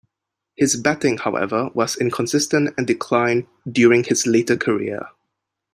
His batting however was inconsistent and declined during his later career.